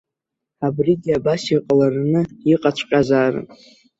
Абригьы абас иҟалараны иҟаҵәҟьазаарын.